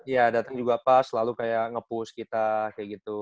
ya datang juga pas selalu kayak nge push kita kayak gitu